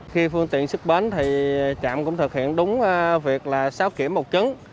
khi phương tiện xuất bến thì trạm cũng thực hiện đúng việc là sáu kiểm một chứng